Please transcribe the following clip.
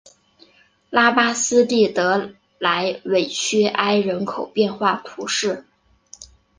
拉巴斯蒂德莱韦屈埃人口变化图示